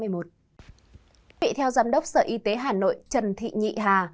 quý vị theo giám đốc sở y tế hà nội trần thị nhị hà